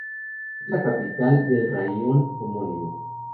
Es la capital del raión homónimo.